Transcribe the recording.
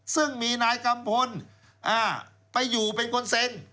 ซึ่งมีนายกัมพลไปอยู่เป็นคนเซ็น